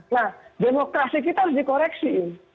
nah demokrasi kita harus dikoreksi